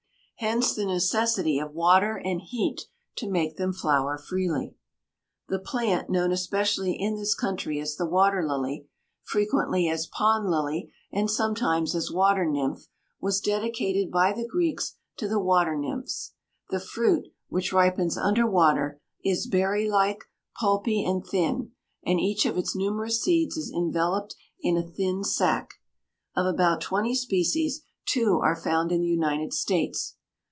Hence the necessity of water and heat to make them flower freely. The plant known especially in this country as the water lily, frequently as pond lily and sometimes as water nymph, was dedicated by the Greeks to the water nymphs. The fruit, which ripens under water, is berry like, pulpy and thin, and each of its numerous seeds is enveloped in a thin sac. Of about twenty species two are found in the United States.